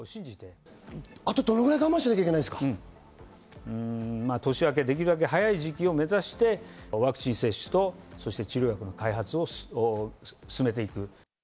あとどのくらい我慢しなきゃ年明け、できるだけ早い時期を目指して、ワクチン接種と、そして治療薬の開発を進めていく。